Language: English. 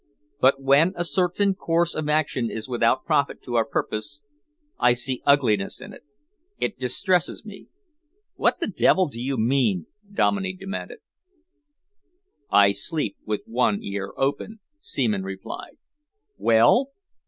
But when a certain course of action is without profit to our purpose, I see ugliness in it. It distresses me." "What the devil do you mean?" Dominey demanded. "I sleep with one ear open," Seaman replied. "Well?"